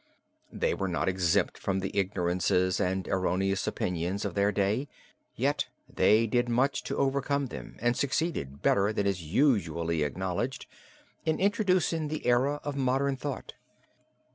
They were not exempt from the ignorances and erroneous opinions of their day, yet they did much to overcome them and succeeded better than is usually acknowledged in introducing the era of modern thought.